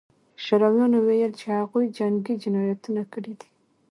شورویانو ویل چې هغوی جنګي جنایتونه کړي دي